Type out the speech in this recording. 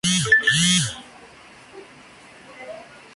La separación está marcada por doce columnas que sostenían trece arcos.